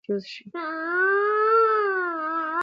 پۀ دې کښې مازغه کنفيوز شي